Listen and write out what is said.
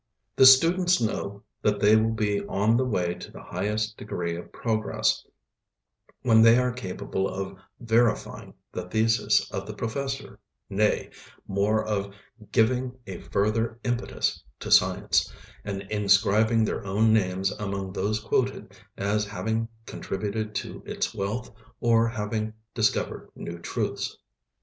The students know that they will be on the way to the highest degree of progress when they are capable of "verifying" the theses of the professor nay, more, of giving a further impetus to science, and inscribing their own names among those quoted as having contributed to its wealth or having discovered new truths.